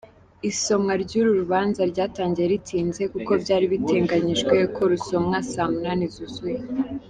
Isomwa ry’uru rubanza ryatangiye ritinze, kuko byari biteganyijwe ko rusomwa saa munani zuzuye.